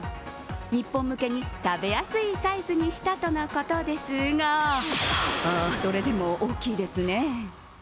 日本向けに食べやすいサイズにしたとのことですが、それでも大きいですね。